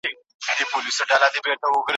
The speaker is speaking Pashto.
د هیلو تر مزاره مي اجل راته راغلی